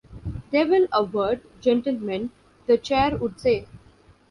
Devil a word, gentlemen, the chair would say.